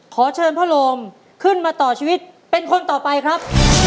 ขอเชิญพ่อโรมขึ้นมาต่อชีวิตเป็นคนต่อไปครับ